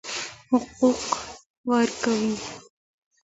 حقوق ورکړئ.